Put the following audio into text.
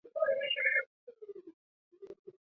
本届赛事原定由喀麦隆主办。